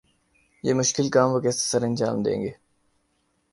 یہ مشکل کام وہ کیسے سرانجام دیں گے؟